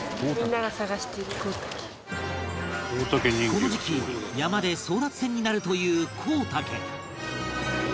この時期山で争奪戦になるというコウタケ